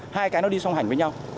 hai cái nó đi song hành với nhau